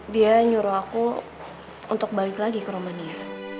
dia nyuruh aku untuk balik lagi ke romania